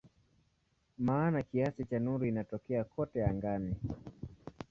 Maana kiasi cha nuru inatokea kote angani.